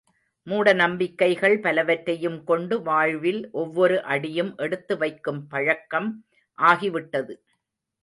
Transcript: மூட நம்பிக்கைகள் பலவற்றையும் கொண்டு வாழ்வில் ஒவ்வொரு அடியும் எடுத்து வைக்கும் பழக்கம் ஆகிவிட்டது.